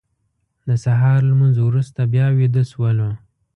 د سهار لمونځ وروسته بیا ویده شولو.